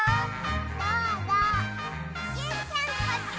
どうぞジュンちゃんこっち！